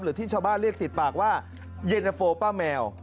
หรือที่ชาวบ้านเรียกติดปากว่าเย็นตะโฟป้าแมว